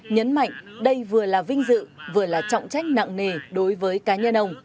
nhấn mạnh đây vừa là vinh dự vừa là trọng trách nặng nề đối với cá nhân ông